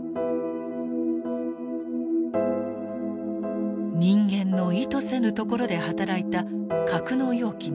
人間の意図せぬところで働いた格納容器の冷却。